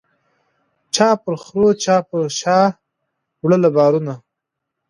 چا پر خرو چا به په شا وړله بارونه